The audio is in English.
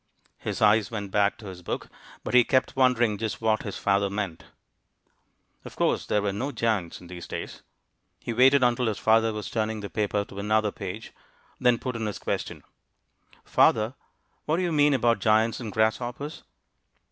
His eyes went back to his book, but he kept wondering just what his father meant. Of course there were no giants in these days! He waited until his father was turning the paper to another page, then put in his question: "Father, what do you mean about 'giants' and 'grasshoppers'?"